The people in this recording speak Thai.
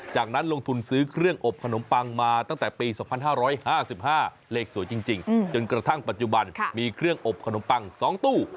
จากนั้นลงทุนซื้อเครื่องอบขนมปังมาตั้งแต่ปี๒๕๕๕เลขสวยจริงจนกระทั่งปัจจุบันมีเครื่องอบขนมปัง๒ตู้